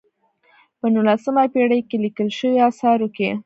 په نولسمه پېړۍ کې لیکل شویو آثارو کې.